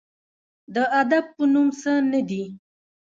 د ادب په نوم څه نه دي